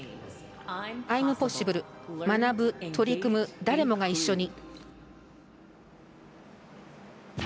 アイムポッシブル学ぶ、取り組む誰もが一緒に。